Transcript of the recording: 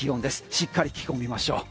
しっかり着込みましょう。